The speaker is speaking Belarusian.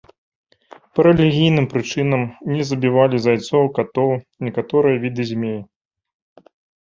Па рэлігійным прычынам не забівалі зайцоў, катоў, некаторыя віды змей.